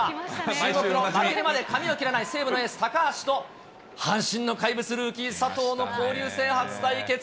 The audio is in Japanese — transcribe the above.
注目の負けるまで髪を切らない西武のエース、高橋と、阪神の怪物ルーキー、佐藤の交流戦初対決。